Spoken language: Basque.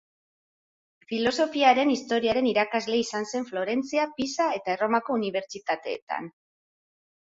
Filosofiaren Historiaren irakasle izan zen Florentzia, Pisa eta Erromako unibertsitateetan.